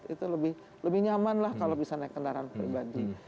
itu lebih nyaman lah kalau bisa naik kendaraan pribadi